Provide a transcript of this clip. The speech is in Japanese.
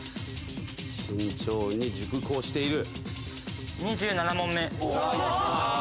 慎重に熟考している。